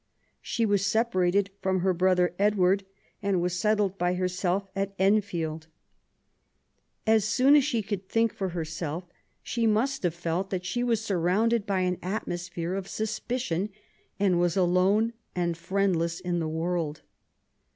She was separated from her brother Edward, and was settled by herself at Enfield. As soon as she could think for herself, she must have felt that she was surrounded by an atmosphere of suspicion, and was alone and friendless in the world.